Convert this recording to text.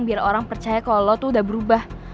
biar orang percaya kalau lo tuh udah berubah